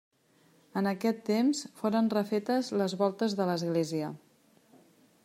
En aquest temps foren refetes les voltes de l'església.